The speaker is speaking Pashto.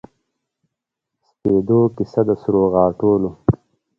سپیدو کیسه د سروغاټولو